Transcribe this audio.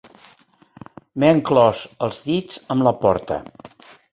M'he enclòs els dits amb la porta.